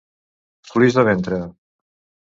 Fluix de ventre.